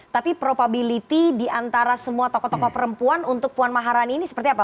tapi probability diantara semua tokoh tokoh perempuan untuk puan maharani ini seperti apa